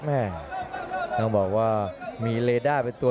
ส่วนหน้านั้นอยู่ที่เลด้านะครับ